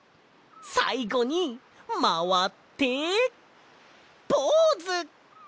さいごにまわってポーズ！